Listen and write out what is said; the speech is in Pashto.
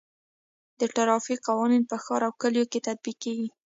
د ټرافیک قوانین په ښار او کلیو کې تطبیق کیږي.